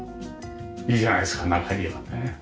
いいじゃないですか中庭ねえ。